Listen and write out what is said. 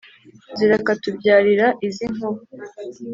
zirakatubyarira izi nkuba.